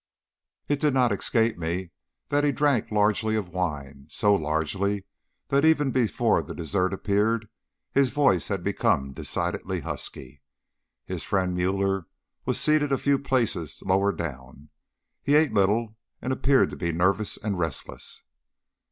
It did not escape me that he drank largely of wine so largely that even before the dessert appeared his voice had become decidedly husky. His friend Müller was seated a few places lower down. He ate little, and appeared to be nervous and restless.